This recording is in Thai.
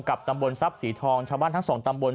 ตำบลทรัพย์สีทองชาวบ้านทั้งสองตำบล